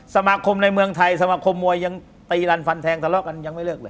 สมาคมในเมืองไทยสมาคมมวยยังตีรันฟันแทงทะเลาะกันยังไม่เลิกเลย